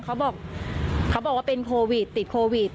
เขาบอกว่าเป็นโควิดติดโควิด